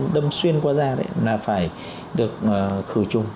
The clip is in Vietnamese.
đâm xuyên qua da là phải được khử chung